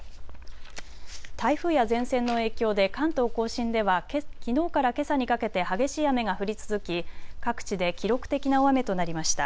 台風や前線の影響で関東甲信ではきのうからけさにかけて激しい雨が降り続き各地で記録的な大雨となりました。